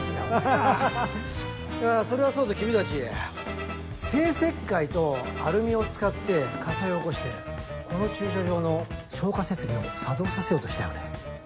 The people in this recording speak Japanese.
あそれはそうと君たち生石灰とアルミを使って火災を起こしてこの駐車場の消火設備を作動させようとしたよね。